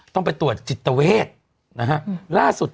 ต้องไปตรวจจิตเวท